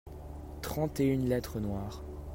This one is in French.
trente et une lettres noires.